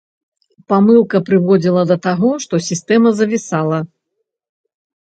Памылка прыводзіла да таго, што сістэма завісала.